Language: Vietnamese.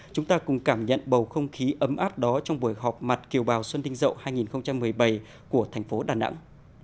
chúng ta cùng cảm nhận bầu không khí ấm áp đó trong buổi họp mặt kiều bào xuân đinh rậu hai nghìn một mươi bảy của thành phố đà nẵng